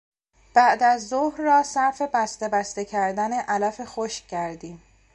بعدازظهر را صرف بستهبسته کردن علف خشک کردیم.